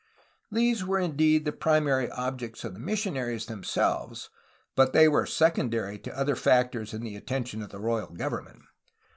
These were indeed the primary objects of the missionaries themselves, but they were secondary to other factors in the attention of the royal government.